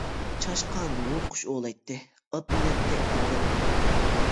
چاشقان ھۇۋقۇش ئوۋلايتتى، ئات مىنەتتى ئادەمنى.